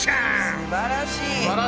すばらしい！